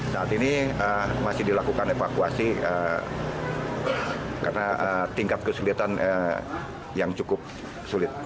saat ini masih dilakukan evakuasi karena tingkat kesulitan yang cukup sulit